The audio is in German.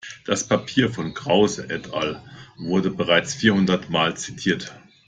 Das Paper von Krause et al. wurde bereits vierhundertmal zitiert.